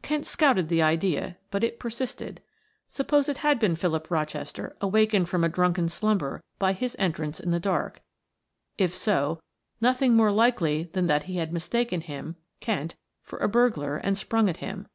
Kent scouted the idea but it persisted. Suppose it had been Philip Rochester awakened from a drunken slumber by his entrance in the dark; if so, nothing more likely than that he had mistaken him, Kent, for a burglar and sprung at him.